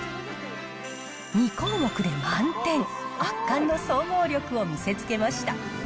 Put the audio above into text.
２項目で満点、圧巻の総合力を見せつけました。